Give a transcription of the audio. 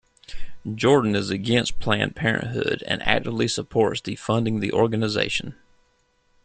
Jordan is against Planned Parenthood and actively supports defunding the organization.